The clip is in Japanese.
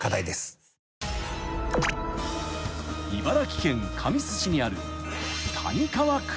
［茨城県神栖市にある］